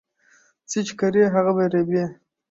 څه چې کرې هغه په رېبې